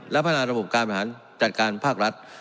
และพัฒนาระบบการบริหารจัดการภาครัฐ